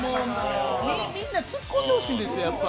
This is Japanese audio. みんなつっこんでほしいんですよ、やっぱ。